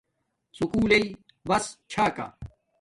سکُول لݶ بس چھا کا